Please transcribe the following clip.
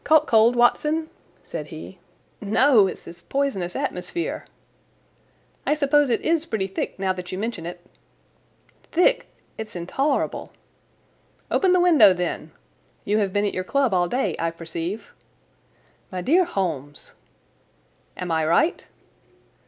"Caught cold, Watson?" said he. "No, it's this poisonous atmosphere." "I suppose it is pretty thick, now that you mention it." "Thick! It is intolerable." "Open the window, then! You have been at your club all day, I perceive." "My dear Holmes!" "Am I right?"